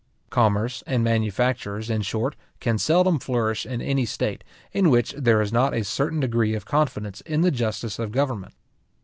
Commerce and manufactures, in short, can seldom flourish in any state, in which there is not a certain degree of confidence in the justice of government.